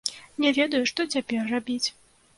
Не ведаю, што цяпер рабіць.